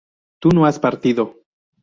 tú no has partido